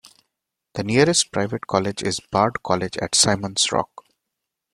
The nearest private college is Bard College at Simon's Rock.